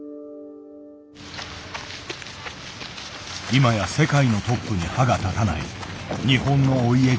今や世界のトップに歯が立たない日本のお家芸。